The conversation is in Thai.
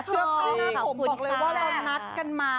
เสื้อผ้าหน้าผมบอกเลยว่าเรานัดกันมา